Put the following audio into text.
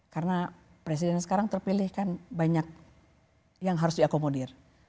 karena presiden sekarang terpilih kan banyak yang harus diakomodir